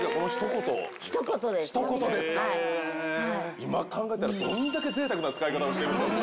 今考えたらどれだけ贅沢な使い方をしてるんですか。